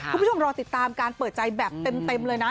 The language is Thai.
คุณผู้ชมรอติดตามการเปิดใจแบบเต็มเลยนะ